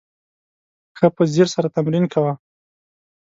ښه په ځیر سره تمرین کوه !